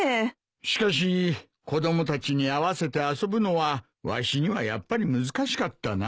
しかし子供たちに合わせて遊ぶのはわしにはやっぱり難しかったな。